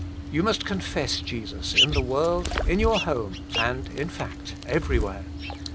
You must confess Jesus in the world, in your home; and in fact everywhere.